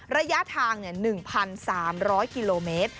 ระยะทาง๑๓๐๐กิโลเมตร